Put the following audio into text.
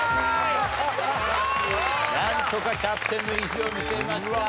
なんとかキャプテンの意地を見せました。